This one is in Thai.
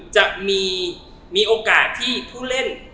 จะมีโอกาสที่ผู้เล่น